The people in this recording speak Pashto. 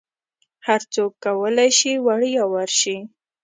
هرڅوک کولی شي وړیا ورشي.